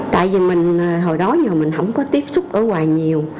tại vì mình hồi đó mình không có tiếp xúc ở ngoài nhiều